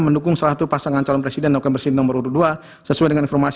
mendukung salah satu pasangan calon presiden dan presiden nomor urut dua sesuai dengan informasi